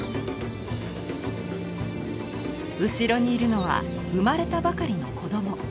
後ろにいるのは生まれたばかりの子供。